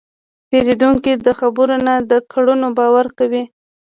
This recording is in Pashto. پیرودونکی د خبرو نه، د کړنو باور کوي.